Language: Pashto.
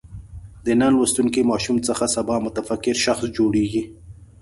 د نن لوستونکی ماشوم څخه سبا متفکر شخص جوړېږي.